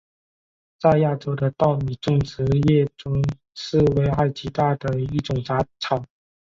在亚洲的稻米种植业中是危害极大的一种杂草。